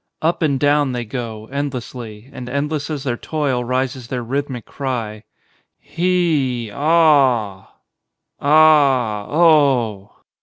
Up and down they go, endlessly, and endless as their toil rises their rhythmic cry. He, aw — ah, oh.